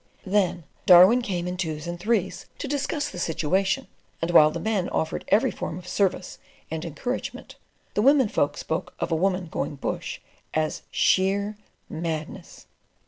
Then Darwin came in twos and threes to discuss the situation, and while the men offered every form of service and encouragement, the women folk spoke of a woman "going bush" as "sheer madness."